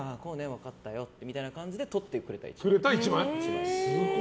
分かったよみたいな感じで撮ってくれた１枚です。